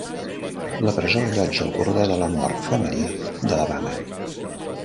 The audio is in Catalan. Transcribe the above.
La presó allotja el corredor de la mort femení d'Alabama.